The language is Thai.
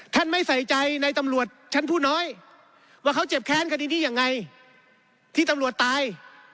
ไม่ใส่ใจในตำรวจชั้นผู้น้อยว่าเขาเจ็บแค้นคดีนี้ยังไงที่ตำรวจตาย